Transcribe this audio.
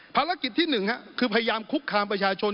ภารกิจที่๑คือพยายามคุกคามประชาชน